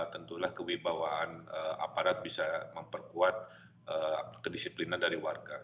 tentulah kewibawaan aparat bisa memperkuat kedisiplinan dari warga